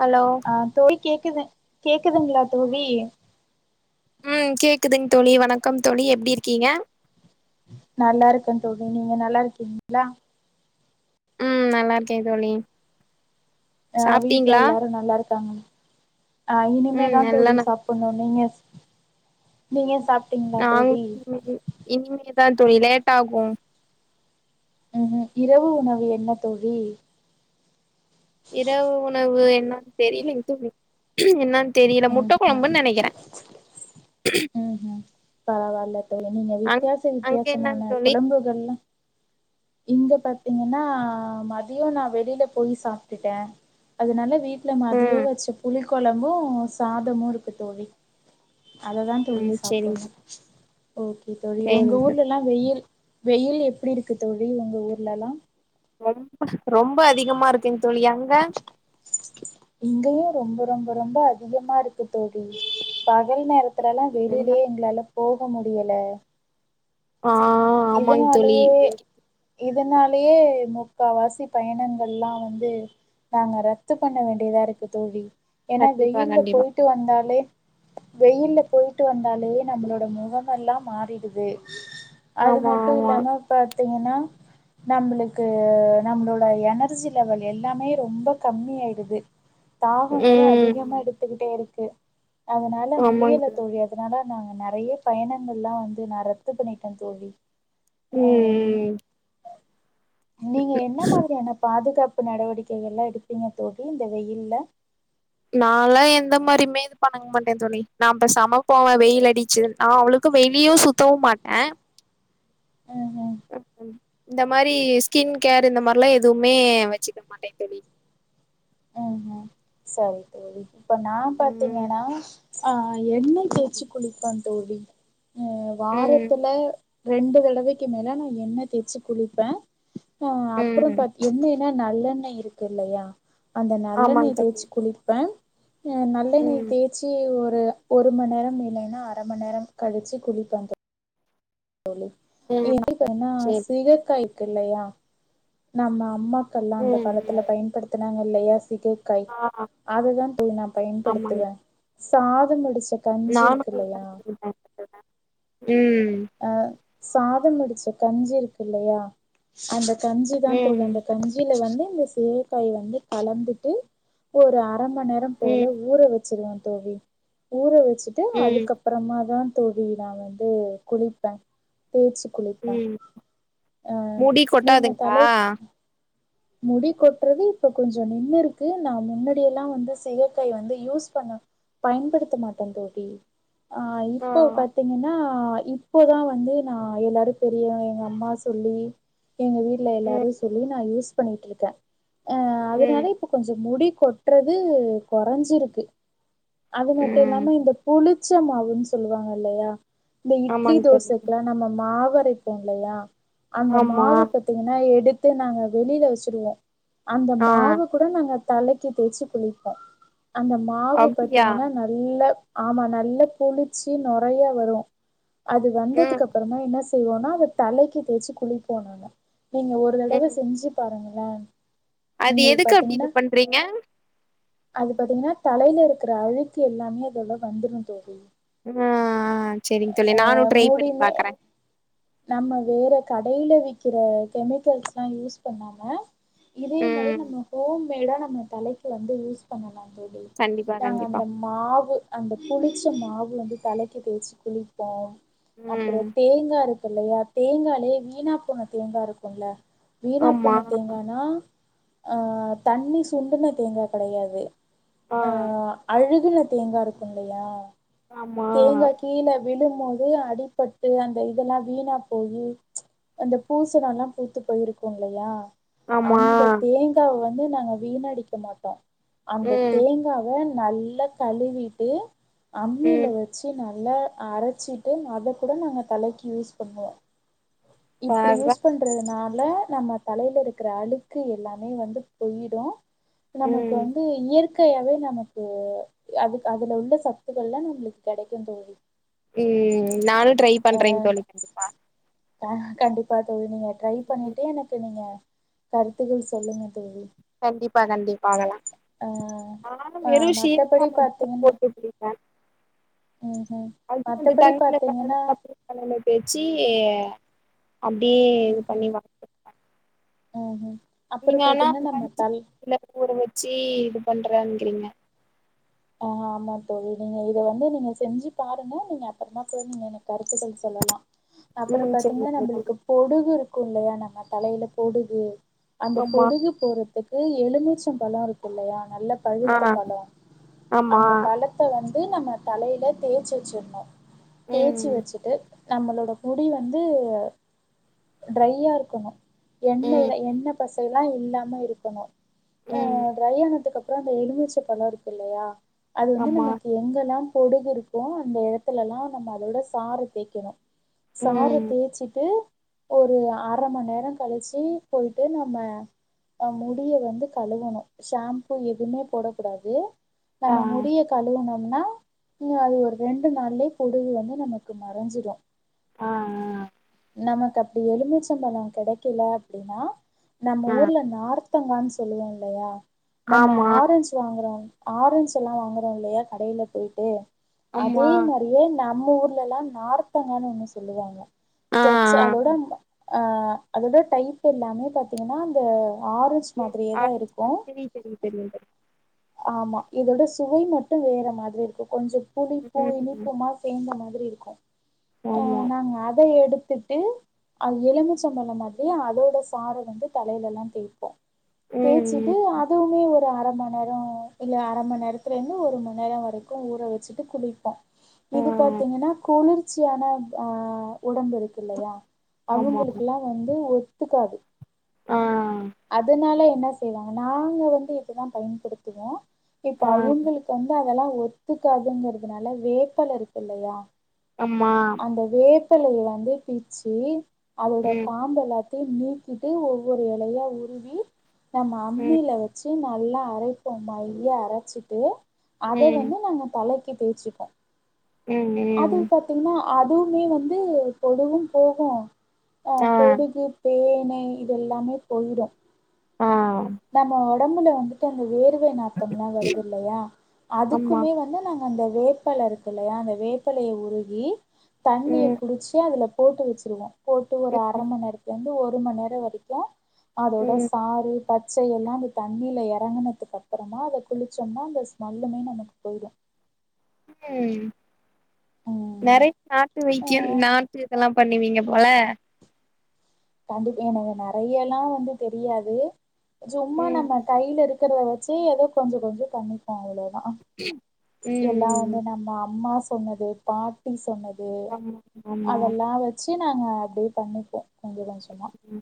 Hello ஆஹ் தோழி கேக்குது கேக்குதுங்களா தோழி உம் கேக்குதுங் தோழி வணக்கம் தோழி எப்டி இருக்கீங்க? நல்லா இருக்கேன் தோழி நீங்க நல்லா இருக்கீங்களா? உம் நல்லா இருக்க தோழி ஆஹ் வீட்டுல சாப்ட்டீங்களா எல்லாரும் நல்லா இருக். த‌ம் ஆஹ் ம் இனிமேதான் நல்லா தோழி நா சாப்டணும் நீங்க நீங்க சாப் நாங்க [unintelligible] இனிமேதா தோழி லேட் ஆகும் உம்ஹும் இரவு உணவு என்ன தோழி இரவு உணவு என்னன்னு தெரியலங் க்க தோழி. என்னனு தெரியல முட்டை கொழம்புன்னு நெனைக்கறேன் உம் ஹம் பரவால்ல தோழி நீங்க அங் வித்தியாச அங்க வித்தியாசமான என்னங் தோழி குழம்புகள்லாம் இங்க பாத்தீங்கன்னா மதியம் நான் வெளியில போய் சாப்பிட்டுட்டேன். அதனால வீட்டு ல மதியோ ம் வச்சு புளிக் குழம்பும் சாதமும் இருக்கு தோழி அததான் தோழி ம் செரிங் சாப்டணும் ஓகே தோழி உங்க சேரிங் தோழி ஊர்லலாம் வெயில் வெயில் எப்படி இருக்கு தோழி உங்க ஊர்லல்லாம். ம் ரொம்ப அதிகமா இருக்குன் தோழி அங்க இங்கயு ரொம்ப ரொம்ப ரொம்ப அதிகமா இருக்கு தோழி பகல் நேரத்து ல்லாம் வெளியிலயே எங்களால போக முடியல ஆஹ் ஆமாங் தோழி இதனாலயே இதனாலயே முக்காவாசி பயணங்கள் எல்லாம் வந்து நாங்கள் ரத்து பண்ண வேண்டியதா இருக்கு தோழி ஏன்னா கண்டிப்பா வெயில்ல கண்டிப்பா போயிட்டு வந்தாலே வெயில்ல போயிட்டு வந்தாலே நம்மளோட முகம் எல்லாம் மாறிடுது அது ஆமா மட்டும் ஆமா இல்லாம ப பா்த்தீங்கன்னா நம்மளுக்கு நம்மளோட எனர்ஜி லெவல் எல்லாமே ரொம்ப கம்மி ஆயிடுது தாகம் வேற அதிகமா ம் எடுத்துக்கிட்டே இருக்கு ம் அதனால முடியல தோழி அதனால நாங்க நெறைய பயணங்கள் ல வந்து நான் ரத்து பண்ணிட்டேன் தோழி ஆம் ம் நீங்க என்ன மாதிரியான பாதுகாப்பு நடவடிக்கைகல்லா எடுப்பீங்க தோழி இந்த வெயில்ல நான்லா எந்த மாரியுமே இது பண்ணங் மாட்டே தோழி நா பேசாமப்போவே வெயில் அடிச்சு நா அவ்ளோக்கு வெளியு சுத்தவும் மாட்ட ம் இந்த மாரி ஸ்கின் கேர் இந்த மாரி லா எதுவுமே வச்சுக்க மாட்டே தோழி ம் ஹூம் சரி தோழி இப்ப நா ம் பாத்தீங்கன்னா ஆஆ எண்ணெய் ம் தேச்சு குளிப்பாந்தோழி ம் வாரத்துல ம் ரெண்டு தடவைக்கி மேல நா எண்ண தேச்சு குளிப்ப ஆ அப்பற ம் பாத் எண்ணெ என்ன நல்லெண்ண இருக்கு இல்லையா அந்த ஆமாங்க நல்லெண்ணய் தோழி தேய்ச்சு குளிப்பே நல்லெண்ணெய் ம் தேய்ச்சி ஒரு ஒரு மண்நேர இல்லனா அரமண்நேரோ கழிச்சு குளிப்பேங் தோ தோழி ம் இதமாரி பண்ணுனா சேரி சிகைக்காய் க்கு இல்லயா நம்ம அம்மா க்கல்லா அந்த ம் காலத்துல ம் பயன்படுத்த நாங்க இல்லையா சிகைக்காய் ஆ அததா தோழி நா ஆமாங்க பயன்படுத்துவே சாதம் வடிச் நானு அதோதா [unintelligible] அ சாதம் வடிச்ச கஞ்சிருக்குல்லையா அந்த கஞ்சி தா ம் தோழி அந்த கஞ்சில வந்து இந்த சீயக்காய் வந்து கலந்துட்டூ ஒரு அ அர மண்நேர போல ம் ஊரவச்சிருவே தோழி ஊரவை ச்சுட்டு ம் அதுக்கப்றமா தா தோழி நா வந்து குளிப்பே தேச்சு குளிப்பெ ம் ஆ முடி நீங்க கொட்டாதுங்களா தலைக் முடி கொட்றது இப்பக் கொஞ்சொ நின்னுருக்கு நா முன்னடி எல்லா வந்து சியக்காய் வந்து யூஸ் பண்ண பயன்படுத்த மாட்ட தோழி ஆ ஆ இப்போ பாத்தீங்கன்னா ஆஹ் இப்பொதா வந்து நா எல்லாருப் பெரிய எங்க அம்மா சொல்லி எங்க வீட்ல ம் எல்லாரு சொல்லி நா யூஸ் பண்ணிட்ருக்கே ஆஹ் அதனால ம் இப்ப கொஞ்சோ முடிக் கொட்றதூ கொறஞ்சுருக்கு. அது மட்டு ம் இல்லாம இந்த புழுக் ச்சமாவுன் சொல்லுவாங்கலயா இந்த இட்லி ஆமாங் தோழி தோசைக்லா நம்ம மாவு வரைப்போங்லையா அந்த ஆமா மாவு பத்தீங்கன்னா எடுத் து நாங்க வெளில வெச்சுடுவோ அந்த ஆ மாவ கூட நாங்கத் தலைக்கு தேய்ச்சு குளிப்போ. அந்த மாவு அப்டியா பாத்தீங்கன்னா நல்ல ஆமா நல்ல புளிச்சி நொறையா வரு அது ம் வந்ததுக்கப்பறம என்னஸ் தெய்வோனா அத தலைக்கு தேய்ச்சு குளிப்போ நாங்க நீங்க ஒரு தடவ ம் செஞ்சு பாருங்களே அது உங்களுக்கு எதுக்கு அப்படி இது பாத்தீங்கன்னா பண்றீங்க? அது பாத்தீங்கன்னா தலையில இருக்கிற அழுக்கு எல்லாமே அதோட வந்துடு தோழி. ஆஹ் சேரிங்க தோழி நானு ட்ரை பண்ணி மூடியுமே பாக்குறே நம்ம வேற கடையில விக்கிற கெமிக்கல்ஸ்லா யூஸ் பண்ணாம இதே மாரி ம் நம்ம ஹோம் மேடா நம் ன தலைக்கு வந்து யூஸ் பண்ணலா ப்டி கண்டிப்பா நாங்க கண்டிப்பா அந்த மாவு அந்த புளிச்ச மாவு வந்து தலைக்கு தேய்ச்சி குளிப்போ ம் அப்புறோ தேங்கா இருக் இல்லையா தேங்காலயே வீணா போன தேங்கா இருக்குல்ல. வீணா ஆமா போன தேங்கானா? ஆஹ் தண்ணி சுண்டுன தேங்கா கெடையாது ஆ அஹ் அழு [unintelligible] தேங்கா இருக்கும் இல்லயா ஆமா தேங்கா கீழ விழும் ம்போது அடிபட்டு அந்த இதெல்லா வீணா போயி அந்த பூசனோலா பூத்து போயிருக்கோ இல்லயா ஆமா அந்த தேங்கா வந் வந்து நாங்க வீணடிக்க மாட்டோ அந்த ம் தேங்காவ நல்லா கழுவிட்டு அம்மில ம் வச்சு நல் நல்ல அரச்சிட்டு அத கூட நாங்க தலைக்கு யூஸ் பண்ணுவோ இப்டி பார்றா யூஸ் பண்றதுனா ல நம்ம தலைலருக்குற அழுக்கு எல்லாமே வந்து போயிடு நமக்கு ம் வந்து இயற் கையாவே நமக்கு அது அதுல உள்ள சத்துகள்லா நம்ளுக்கு கெடைக்கோ தோழி ம் நானு ட்ரை பண்றேங் தோழி ஆ ஆ கண்டிப்பா இது நீங்க ட்ரை ம் பண்ணிட்டு எனக்கு நீங்க கருத்துக்கள் சொல்லுங்க தோழி கண்டிப்பா கண்டிப்பா லாம் ஆ [unintelligible] ஆ வெறும் மத்தபடி ஷிககாய் மட்டு தா பாத்தீங்கன்னா போட்டுட்ருக்கே ம் ம் அது வந்து மத்தபடி தண்ணில பாத்தீங்கன்னா [unintelligible] தேச்சி ஆ அப்டியே இது ம் பண்ணி ம் வாங்க [inaudible] ம் ம் அப்புறோ நீங்க ஆனா பாத்தீங்கன்னா அத நம்ம மடிச்சி தல் [unintelligible] ஊற வச்சு பண்றங்கிறீங்க ஆ ஆமா தோழி நீங்க இத வந்து நீங்க செஞ்சு பாருங்க நீங்க அப்றமா கூட நீங்க எனக்கு கருத்துக்கள் சொல்லலா அப்பற ம் சரி பாத்தீங்கனா நம்முளுக்கு பொடுகு க்கு இல்லயா நம்ம தலைல பொடுகு அந்த ஆமா பொடுகு போறத்து இது எலும்பிச்சபழருக்கு இல்லயா நல்ல ஆ பழுத்த பழம் ஆமா அந்த பழத்த வந்து இதை நம்ம தலையில தேய்ச்சு வெச்சிடணு தேச்சு ம் வெச்சுட்டு நம்மளோட முடி வந்து டிரையா இருக்கணு ம் எண்ணெய்ல எண்ணெய் பச ல்லா இல்லாம இருக்கணு ம் ஆஹ் டிரையானத்துக்குப் புறோ அந்த எலுமிச்ச பலம் இருக்கு இல்லையா அது வந்து ஆமா நமக்கு எங்கெல்லாம் பொடுகு இருக்கோ அந்த இடத்துலெல்லா நம்ம அதோட சாற தேய்கணு சாற ம் தேய்ச்சிட்டு ஒரு அரை மணி நேரம் கழிச்சு போயிட்டு நம்ம ஹ முடிய வந்து கழுவணு ஷாம்பூ எதுவுமே போடக்கூடாது ஆ நம்ம முடிய கழுவுணு னா அது ஒரு ரெண்டு நாள்லயே பொடுகு வந்து நமக்கு மறைஞ்சிரு ஆஹ் ஹ் நமக்கு அப்படி எலுமிச்சம்பளம் கிடைக்கல அப்படின்னா நம்ம ஆ ஊர்ல நார்த் சுத்தங்கான்னு சொல்லுவோ இல்லயா நம்ம ஆமா ஆரஞ்சு வாங்குறோ ஆரஞ்ச் எல்லா வாங்குறோ இல்லயா கடையில போய்ட்டு ஆமா அதே மாரியே நம்ம ஊர்லல்லா நார்த்தங்கான்னு ஒண்ணு சொல்லுவாங்க ஆ ஸ்டெச் அதோட ஆ அதோட டைப் எல்லாமே பாத்தீங்கன்னா அந்த ஆரஞ்சு ம் மாதிரியே தான் ஆரஞ்சு பழ இருக்கும் மாரி தெரியு தெரியு தெரியு ஆமா இதோட சுவை மட்டு வேற மாதிரி இருக்கு கொஞ்சோ புளிப்பூ தெரியு ம் இனிப்புமா சேர்ந்த மாரி மாதிரி இருக்கு அ ஆமா நாங்க அத எடுத்து எடுத்துட்டு அ எலுமிச்ச பலோ மாரி அதோட சாற வந்து தலையில்லா தேய்ப்போ தேச்சிட்டு ம் ம் அதுவுமே ஒரு அர ம ஒரு மண்நேரோ இல்ல அர மன்நேர த்துல இருந்து ஒரு மண்நேர வரைக்கு ஊற வச்சுட்டு குளிப்போ ஆ இது பாத்தீங்கன்னா குளிர்ச்சியான ஆஹ் உடம்பு இருக்கு இல்லயா ஆமா அவங்களுக்கெல்லா வந்து ஒ ஒத்துக்காது ஆ அதனால என்ன செய்வாங்க நாங்க வந்து இப்டிதான் பயன்ப படுத்துவோ இப்ப ஆ அவங்களுக்கு வந்து இதெல்லா ஒத்துக்காதுங்றதுனால வேப்பல இருக்குலயா ஆமா அந்த வேப் வேப்பலைய வந்து பிச்சி அதோட ம் காம்பு எல்லா நீக்கிட்டு ஒவ்வொரு இலையா உருவி நம்ம ம் அம்மில வச்சு நல்லா அரை இப்ப மைய அரச்சிட்டு அத ம் வந்து நாங்க தலைக் தேச்சுபோ ம் அது ம் பாத்தீங்ன்னா அதுவுமே வந்து பொடுகு போகு ஆஹ் ஆ பொடுகு பேன் பேன் இதெல்லாமே பொயிடு ஆ நம்ம உடம்ல வந்துட்டு அந்த வேர்வ வேர்வை நாத்தம்ல்லா வருது இல்லையா ஆமா அதுக்குமே வந்து நாங்க அந்த வேப்பல இருக்கு இல்லையா அந்த வேப்பலைய உருகி தண்ணிய ம் புடிச்சு அதுல போட்டு வச்சுடுவோ போட்டு ஒரு அர ம் மண்நேரத்துல [unintelligible] ஒரு மண் நேரொ வரைக்கும் அதோட ம் சாரு [unintelligible] பச்சை எல்லாம் அது தண்ணியில் இறங்கினதுக்கு அப் அப்பறமா அதில் குளிச்சோம்ன அந்த ஸ்மெல்லுமே நமக்கு போயிடும் உம் ம் நெறைய நாட்டு ஆ வைத்தியம் நாட்டு இதெல்லாம் [unintelligible] பண்ணுவீங்க போல கண்டிப் எனக்கு நெறையல்லாம் வந்து தெரியாது சும்மா ம் நம்ம கையில இருக் இருக்கிறத வச்சு ஏதோ கொஞ்சோ கொஞ்சோ பண்ணிப்பே அவ்வளோ தான் அஅ ம் எல்லா ம் வந்து நம்ம அம்மா ஸ் சொன்னது பாட்டி சொன்னத் து ஆமா ஆமா அதல்லா வச்சி நாங்க அப்டியே பண்ணிப்போ கொஞ்ச கொஞ்சம் ம்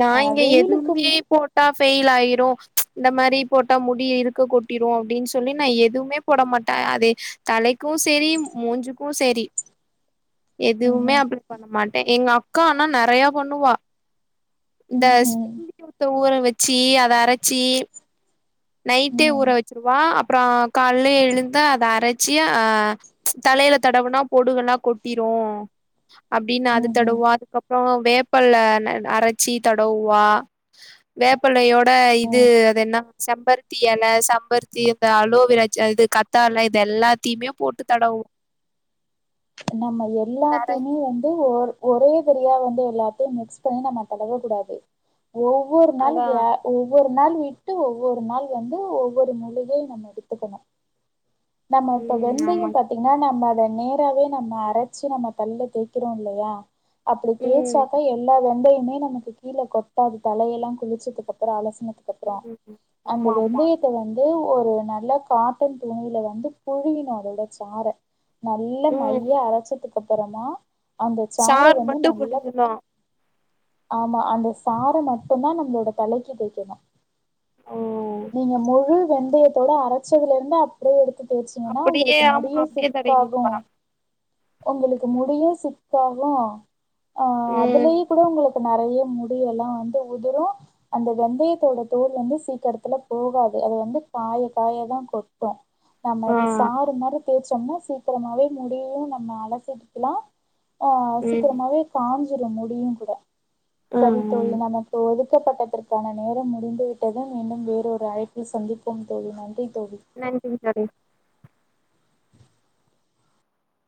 நா இங்க வெயிலுக்கு எதுவுமே போட்டா ஃப் பெயில் ஆயிரு இந்த மாரி போட்டா முடி இருக்க கொட்டிரு அப்டின் சொல்லி நா எதுமே போட மாட்ட அது தலைக்கு செரி மூஞ்சுக்கு செரி எதுவ்மே ம்ஹூம் அப்ளே பண்ண மாட்டே எங்க அம் க்கா ஆனா நறையா பண்ணுவா ம்ஹூம் இந்த [inaudible] ஊற வெச் சி அத அரச்சி நைட்டே ஊற ம் வச்சிருவே அப் அப்பறொ கால்லே எழுந்து அத அரச்சி ஆ தலையில தடவுனா பொடுகெல்லா கொட்டிரு அப்டீன் அத ம்ஹூம் தடவுவா அதுக்கப் அப்றோ வேப்பல்ல ந அரச்சி தடவுவா வேப்பல்லையோட இது அதென்னா செம்பருத்தி எல சம்பருத்தி அந்த அலோவிரா ஜெ அ இது கத்தால இதெல்லாத்தியுமே போட்டு தடவ் நம்ம எல்லாத்தைமே வந்து ஒர் ஒரே தெரியா வந்து எல்லாத்தையும் மிக்ஸ் பண்ணி நம்ம தடவக் கூடாது ஒவ்வொரு நாளு அதா கே ஒவ்வொரு நாள் விட்டு ஒவ்வொரு நாள் வந்து ஒவ்வொரு மூலிகை நம்ம எடுத்துக்கணு நம்ம இப்போ ம் ஆமா வெந்தயம் பாத்தீங்கன்னா நம்ம ந்த நேராவே நம்ம அரச்சி நம்ம தல்ல தேக்கிறோல்லையா அப்டி ம் தேச்சாக்கா எல்லா வெந்தய மே நமக்கு கீழ கொட்டாது தலயெல்லா குளிச்சதுக்கப்பறோ அலசுன துக்கப்றோ அந்த ஆமா ஆமா வெந்தயத்த வந்து ஒ ஒரு நல்லா காட்டன் துணில வந் ந்து புழியிணு அதோட சார நல்ல மைய அரச்சதுக்கப் ப்பறமா சார் மட்டு புழியணு ஆமா அந்த சார மட்டுந்தா நம்ளோட தலைக்கி தேய்க்கணு ஓ நீங்க முழு வெந்தயத்தோட அரச்சதுலேருந்து அப்டே எடுத் தேச்சீங்கன்னா அப்படியே உங்களுக்கு ஆமா முடியு அப்படியே சிக்காகு தடவிருவா உங்களுக்கு முடியு சிக்காகு ஆஹ் ம் அதுலேயே கூட உங்களுக்கு நெறைய முடியெல்லா வந்து உதுரு அந்த வெந்தயத்தோட தோல் வந்து சீக்கிரத்துல போகாது அது வந்து காய காய தா கொட்டு நம்ம ஆ அத சாறுமாரி தேச்சி ரொம்ம சீக்கிரமாவே முடியு நம்ம அலசுரத்ல ஆஹ் ம் சீக்கிரமாவே காஞ் ஞ்சுரு முடியு கூட ஆ சரித் தோழி நாம்ம போக் கொடுக்கப்பட்டதற்கான நேரம் முடிந்துவிட்டது, மீண்டும் வேறொரு அழைப்பில் சந்திப்போம் தோழி நன்றி. தோழி நன்றி தோழி